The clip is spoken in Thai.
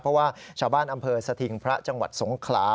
เพราะว่าชาวบ้านอำเภอสถิงพระจังหวัดสงขลา